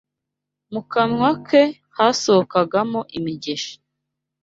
Mu kanwa ke hasohokagamo imigisha